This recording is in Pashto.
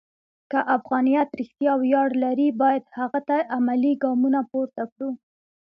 که افغانیت رښتیا ویاړ لري، باید هغه ته عملي ګامونه پورته کړو.